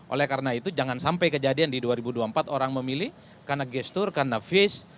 oleh karena itu jangan sampai kejadian di dua ribu dua puluh empat orang memilih karena gestur karena face